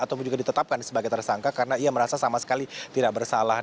ataupun juga ditetapkan sebagai tersangka karena ia merasa sama sekali tidak bersalah